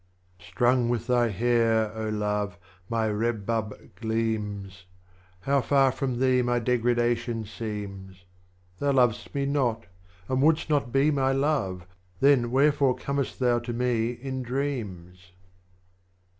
BABA TAHlR 16. Strung with thy Hair, Love, my Rebab gleams ; How far from thee my Degradation seems ! Thou lov'st me not, and wouldst not be my Love, Then wherefore comest thou to me in Dreams